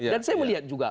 dan saya melihat juga